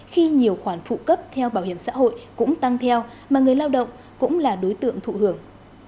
khi nhiều khoản phụ cấp theo bảo hiểm xã hội cũng tăng theo mà người lao động cũng là đối tượng thụ hưởng